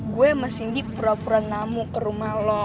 gue sama cindy pura pura nama ke rumah lo